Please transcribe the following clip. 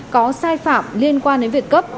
có sai phạm liên quan đến việc cấp